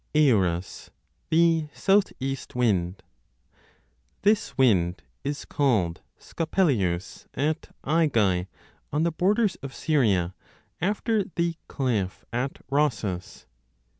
Eurus (the South East Wind). This wind is called Scopeleus at Aegae, on the borders of Syria, after the cliff 4 at Rosus.